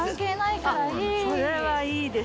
それはいいです！